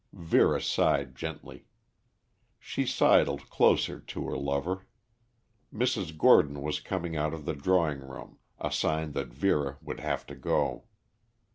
Vera sighed gently. She sidled closer to her lover. Mrs. Gordon was coming out of the drawing room, a sign that Vera would have to go.